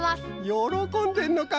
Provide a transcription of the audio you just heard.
よろこんでるのか。